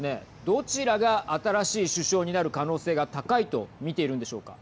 どちらが新しい首相になる可能性が高いと見ているんでしょうか。